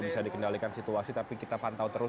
bisa dikendalikan situasi tapi kita pantau terus